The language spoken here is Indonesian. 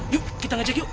yuk kita ngajak yuk